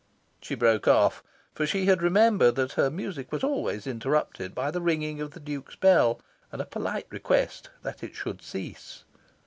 She broke off, for she remembered that her music was always interrupted by the ringing of the Duke's bell and a polite request that it should cease.